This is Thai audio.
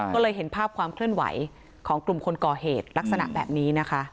ก็เลยเห็นภาพความเคลื่อนไหวของกลุ่มคนก่อเหตุลักษณะแบบนี้นะคะ